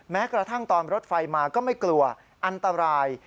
แม้กระทั่งตอนรถไฟมาก็ไม่กลัวอันตราย